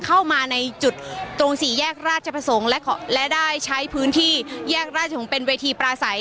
เข้ามาในจุดตรงสี่แยกราชประสงค์และได้ใช้พื้นที่แยกราชวงศ์เป็นเวทีปลาใส